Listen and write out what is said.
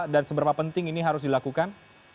dan seberapa penting ini harus dilakukan